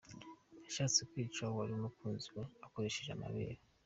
Yashatse kwica uwari umukunzi we akoresheje amabere